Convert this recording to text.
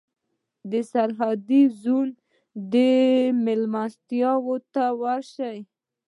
د سرحدي زون مېلمستون ته ورشئ.